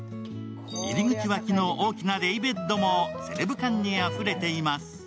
入り口脇の大きなデイベッドもセレブ感にあふれています。